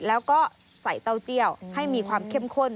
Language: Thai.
แล้วก็ใส่เต้าเจียวให้มีความเข้มข้น